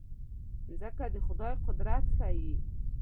مځکه د خدای قدرت ښيي.